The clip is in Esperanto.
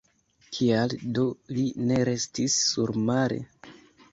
Kial do li ne restis surmare!